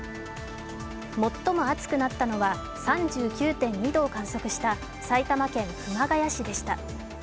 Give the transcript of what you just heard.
最も暑くなったのは３９．２度を観測した埼玉県熊谷市でした。